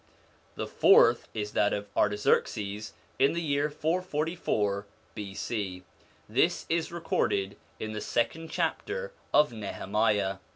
The fourth is that of Artaxerxes in the year 444 B.C. ; this is recorded in the second chapter of Nehemiah.